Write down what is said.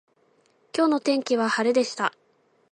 今日の天気は晴れでした。